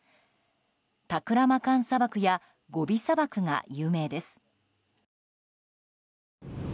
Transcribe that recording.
タクラマカン砂漠やゴビ砂漠が有名です。